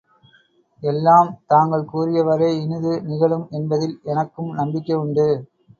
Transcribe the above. எல்லாம் தாங்கள் கூறியவாறே இனிது நிகழும் என்பதில் எனக்கும் நம்பிக்கை உண்டு.